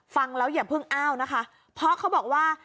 ฟังแล้วอย่าเพิ่งอ้าวนะคะเพราะเขาบอกว่า